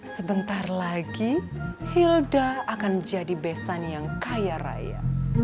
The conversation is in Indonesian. sebentar lagi hilda akan jadi besan yang kaya raya